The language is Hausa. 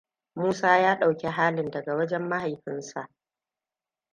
Musa ya ɗauki halin daga wajen mahaifinsa.